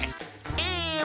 え？